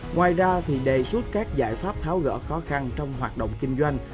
ngoài ra đề xuất các giải pháp tháo gỡ khó khăn trong hoạt động kinh doanh